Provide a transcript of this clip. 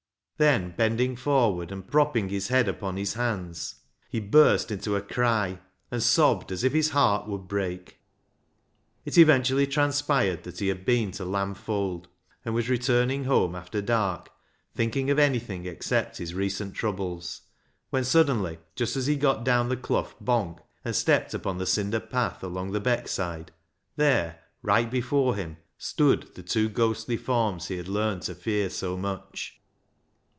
Then bending forward and propping THE HAUNTED MAN 397 his head upon his hands, he burst into a cry and sobbed as if his heart would break. It eventually transpired that he had been to Lamb Fold, and was returning home after dark, thinking of anything except his recent troubles, when suddenly, just as he got down the Clough " bonk," and stepped upon the cinder path along the Beckside, there — right before him — stood the two ghostly forms he had learned to fear so much.